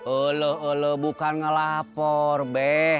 eluh eluh bukan ngelapor be